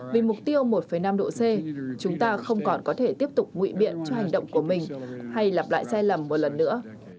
vì mục tiêu một năm độ c chúng ta không còn có thể tiếp tục ngụy biện cho hành động của mình hay lặp lại sai lầm một lần nữa